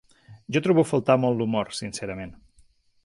Jo trobo a faltar molt l’humor, sincerament.